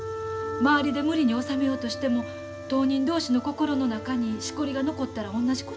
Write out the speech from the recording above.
周りで無理に収めようとしても当人同士の心の中にしこりが残ったら同じことですやん。